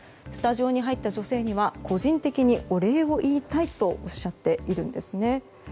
スタジオに入った女性には個人的にお礼を言いたいとおっしゃっているんですね。